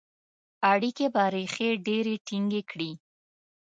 اړیکي به ریښې ډیري ټینګي کړي.